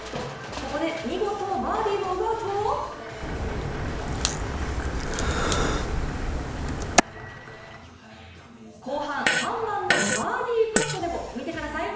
ここで見事バーディーを奪うと後半３番のバーディーパットでも見てください。